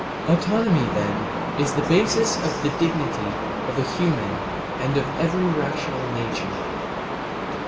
Autonomy then is the basis of the dignity of human and of every rational nature.